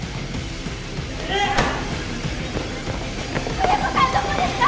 久連木さんどこですか！？